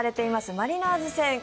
マリナーズ戦。